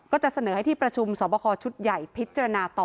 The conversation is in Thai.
ก็จะเสนอให้ที่ประชุมสอบคอชุดใหญ่พิจารณาต่อ